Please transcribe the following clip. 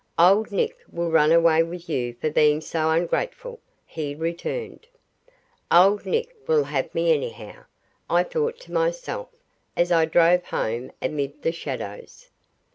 "Old Nick will run away with you for being so ungrateful," he returned. "Old Nick will have me anyhow," I thought to myself as I drove home amid the shadows.